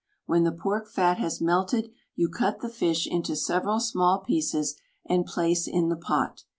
When the pork fat has melted you cutr the fish into several small pieces and place in the pot.